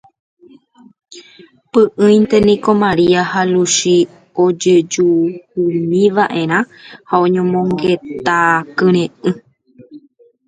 Py'ỹinte niko Maria ha Luchi ojojuhúmiva'erã ha oñomongeta kyre'ỹ.